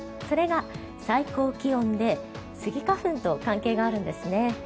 それが、最高気温でスギ花粉と関係があるんですね。